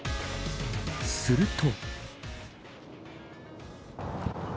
すると。